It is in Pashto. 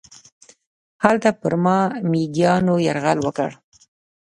هلته پر ما میږیانو یرغل وکړ.